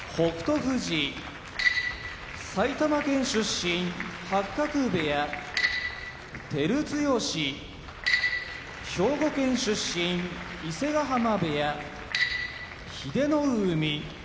富士埼玉県出身照強兵庫県出身伊勢ヶ濱部屋英乃海